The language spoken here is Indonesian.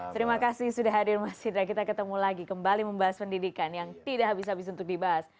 terima kasih sudah hadir mas indra kita ketemu lagi kembali membahas pendidikan yang tidak habis habis untuk dibahas